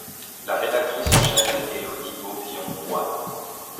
La rédactrice en chef est Élodie Baubion-Broye.